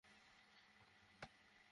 আমি জেগে আছি!